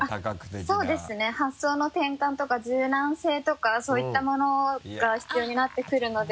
発想の転換とか柔軟性とかそういったものが必要になってくるので。